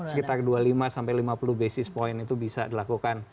sekitar dua puluh lima sampai lima puluh basis point itu bisa dilakukan